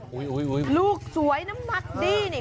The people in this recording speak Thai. หูยหูยลูกสวยน้ำหนักดีนี่